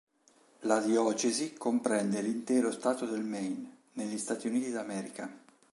La diocesi comprende l'intero Stato del Maine, negli Stati Uniti d'America.